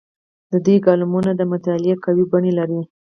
د دوی کالمونه د مطالعې قوي بڼې لري.